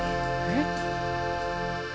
えっ？